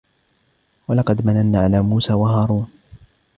ولقد مننا على موسى وهارون